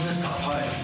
はい。